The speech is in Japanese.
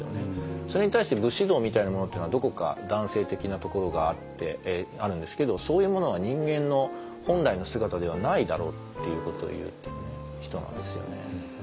それに対して武士道みたいなものっていうのはどこか男性的なところがあるんですけどそういうものは人間の本来の姿ではないだろうっていうことをいっている人なんですよね。